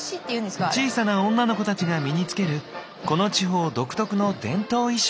小さな女の子たちが身に着けるこの地方独特の伝統衣装。